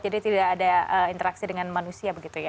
jadi tidak ada interaksi dengan manusia begitu ya